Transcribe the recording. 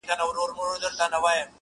ژړا نه وه څو پیسوته خوشالي وه -